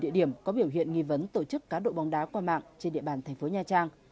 địa điểm có biểu hiện nghi vấn tổ chức cá độ bóng đá qua mạng trên địa bàn thành phố nha trang